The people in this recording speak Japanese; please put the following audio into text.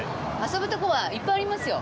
遊ぶとこはいっぱいありますよ